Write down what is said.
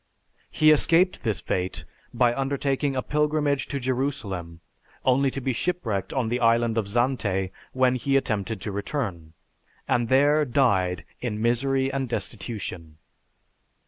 He escaped this fate by undertaking a pilgrimage to Jerusalem only to be shipwrecked on the Island of Zante when he attempted to return, and there died in misery and destitution.